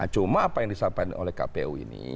cuma apa yang disampaikan oleh kpu ini